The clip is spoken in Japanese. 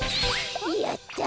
やった！